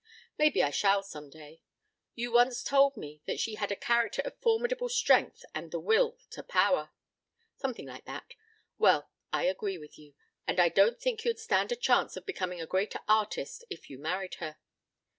Maybe I shall some day. You once told me that she had a character of formidable strength and the 'will to power' something like that. Well, I agree with you, and I don't think you'd stand a chance of becoming a great artist if you married her."